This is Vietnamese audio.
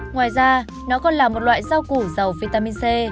ngoài ra nó còn là một loại rau củ dầu vitamin c